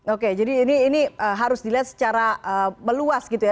oke jadi ini harus dilihat secara meluas gitu ya